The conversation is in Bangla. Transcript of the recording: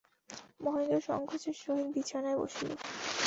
মহেন্দ্র সংকোচের সহিত বিছানায় বসিল।